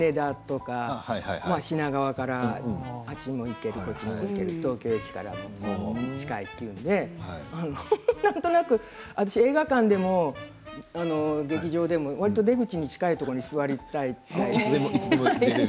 羽田とか品川からあっちも行ける、こっちも行ける東京駅からも近いというのでなんとなく映画館でも劇場でもわりと出口に近いところに座りたいんです。